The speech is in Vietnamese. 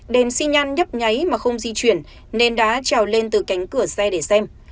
đèn xi nhan nhấp nháy mà không di chuyển nên đã trào lên từ cánh cửa xe để xem